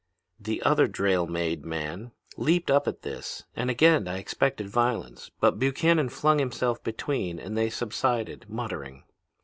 "The other Drayle made man leaped up at this, and again I expected violence. But Buchannon flung himself between, and they subsided, muttering.